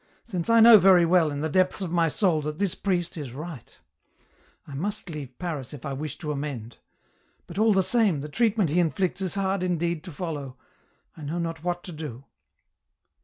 since I know very well, in the depths of my soul, that this priest is right ; I must leave Paris if I wish to amend ; but all the same, the treatment he inflicts is hard indeed to follow ; I know not what to do."